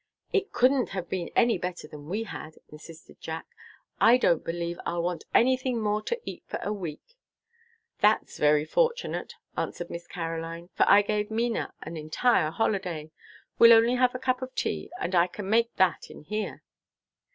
"It couldn't have been any better than we had," insisted Jack. "I don't believe I'll want anything more to eat for a week." "That's very fortunate," answered Miss Caroline, "for I gave Mena an entire holiday. We'll only have a cup of tea, and I can make that in here."